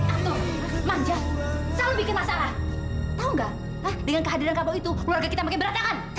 aduh manja selalu bikin masalah tau gak dengan kehadiran kamu itu keluarga kita makin beratangan